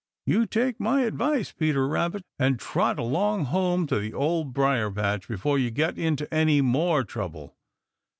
You take my advice, Peter Rabbit, and trot along home to the Old Briar patch before you get into any more trouble.